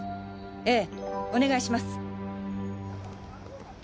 ええお願いします。